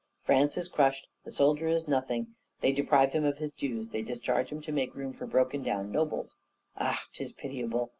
France is crushed; the soldier is nothing; they deprive him of his dues; they discharge him to make room for broken down nobles ah, 'tis pitiable!